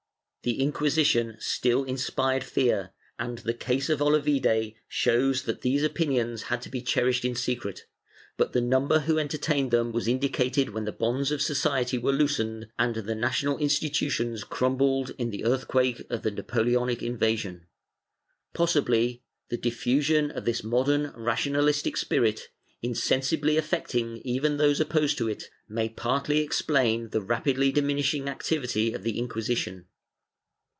The Inquisition still inspired fear, and the case of Olavide shows that Semandrio enidito, XI, 274. 388 DECADENCE AND EXTINCTION [Book IX these opinions had to be cherished in secret, but the number who entertained them was indicated when the bonds of society were loosened and the national institutions crumbled in the earthquake of the Napoleonic invasion. Possibly the diffusion of this modern rationalistic spirit, insen sibly affecting even those opposed to it, may partly explain the rapidly diminishing activity of the Inquisition.